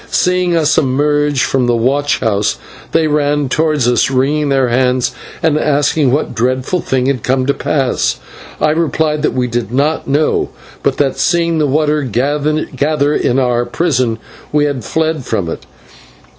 Seeing us emerge from the watch house, they ran towards us, wringing their hands, and asking what dreadful thing had come to pass. I replied that we did not know, but that seeing the water gather in our prison we had fled from it.